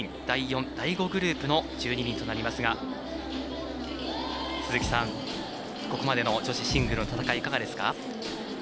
第４グループ、第５グループの１２人となりますがここまでの女子シングルの戦いいかがですか？